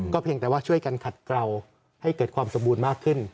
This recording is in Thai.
เพียงแต่ว่าช่วยกันขัดเกลาให้เกิดความสมบูรณ์มากขึ้น